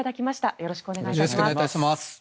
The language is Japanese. よろしくお願いします。